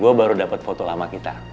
gue baru dapet foto lama kita